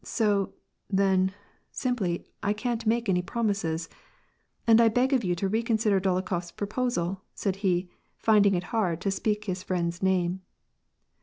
So, then, simply I can't make any prom ises. And I beg of you to reconsider Dolokhof's proposal," said he, finding it hard to speak his friend's name.